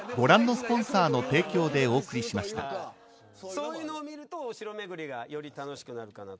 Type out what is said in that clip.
そういうのを見るとお城巡りがより楽しくなるかなと。